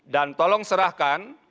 dan tolong serahkan